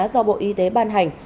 do bộ y tế ban hành